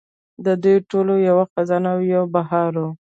د دې ټولو یو خزان او یو بهار و.